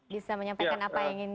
bisa menyampaikan apa yang ingin